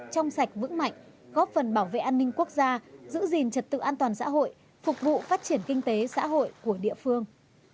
trong sạch vững mạnh góp phần bảo vệ an ninh quốc gia giữ gìn trật tự an toàn xã hội phục vụ phát triển kinh tế xã hội của địa phương